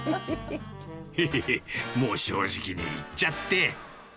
もう正直に言っちゃって。